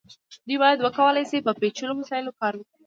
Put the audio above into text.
دوی باید وکولی شي په پیچلو وسایلو کار وکړي.